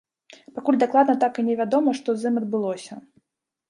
Пакуль дакладна так і не вядома, што з ім адбылося.